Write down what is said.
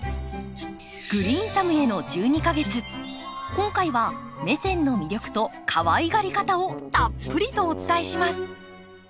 今回はメセンの魅力とかわいがり方をたっぷりとお伝えします。